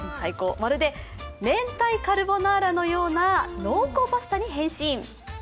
まるでめんたいカルボナーラのような濃厚パスタに変身。